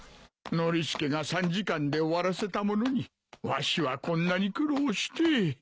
ノリスケが３時間で終わらせたものにわしはこんなに苦労して。